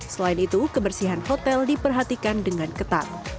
selain itu kebersihan hotel diperhatikan dengan ketat